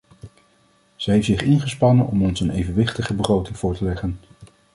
Ze heeft zich ingespannen om ons een evenwichtige begroting voor te leggen.